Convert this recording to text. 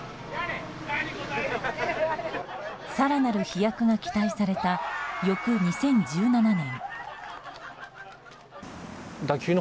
更なる飛躍が期待された翌２０１７年。